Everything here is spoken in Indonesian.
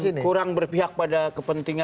iya jadi kurang berpihak pada kepentingan